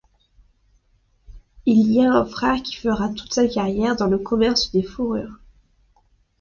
Il a un frère qui fera toute sa carrière dans le commerce des fourrures.